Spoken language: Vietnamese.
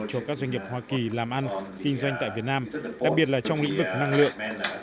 cho các doanh nghiệp hoa kỳ làm ăn kinh doanh tại việt nam đặc biệt là trong lĩnh vực năng lượng